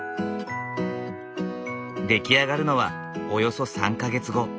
出来上がるのはおよそ３か月後。